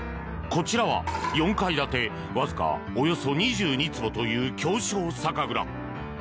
こちらは４階建てわずかおよそ２２坪という狭小酒蔵。